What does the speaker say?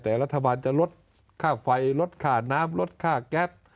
แต่รัฐบาลจะลดค่าไฟลดค่าน้ำลดค่าแก๊ส